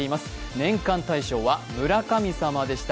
年間大賞は村神様でした。